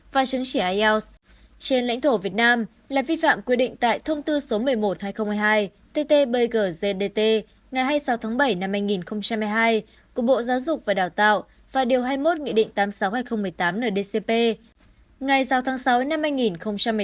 và chứng chỉ ielts trên lãnh thổ việt nam là vi phạm quy định tại thông tư số một mươi một hai nghìn hai mươi hai ttbgzdt ngày hai mươi sáu bảy hai nghìn một mươi hai của bộ giáo dục và đào tạo và điều hai mươi một nghị định tám mươi sáu hai nghìn một mươi tám nldcp ngày sáu sáu hai nghìn một mươi tám của chính phủ